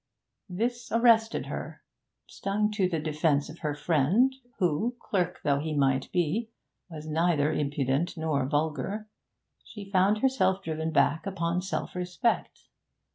This arrested her. Stung to the defence of her friend, who, clerk though he might be, was neither impudent nor vulgar, she found herself driven back upon self respect.